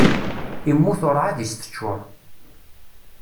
Immut urɛad i s-teččuṛ.